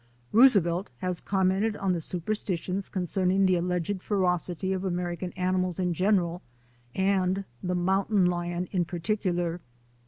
Roosevelt has commented on the superstitions concerning the alleged ferocity of American ani mals in general and the mountain lion in particular.